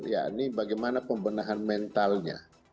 yakni bagaimana pembenahan mentalnya